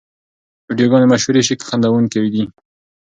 ویډیوګانې مشهورې شي که خندوونکې وي.